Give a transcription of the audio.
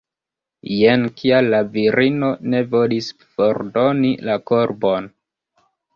Jen kial la virino ne volis fordoni la korbon!